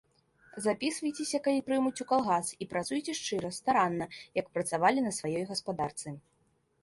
Запісвайцеся, калі прымуць, у калгас і працуйце шчыра, старанна, як працавалі на сваёй гаспадарцы.